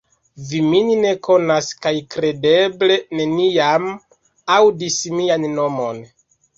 Vi min ne konas kaj kredeble neniam aŭdis mian nomon.